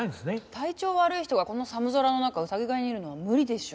体調悪い人がこの寒空の中うさぎ小屋にいるのは無理でしょ。